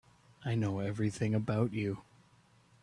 I know everything about you.